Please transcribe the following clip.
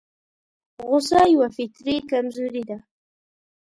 غوسه يوه فطري کمزوري ده.